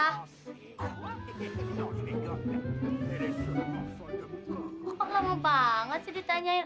wah lama banget sih ditanyain